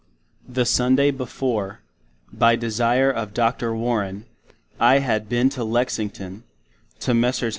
The Sunday before, by desire of Dr. Warren, I had been to Lexington, to Mess.